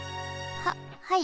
ははい。